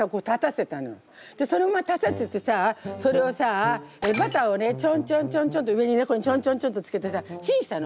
でそのまま立たせてさそれをさバターをねちょんちょんちょんちょんって上にねちょんちょんちょんってつけてさチンしたの。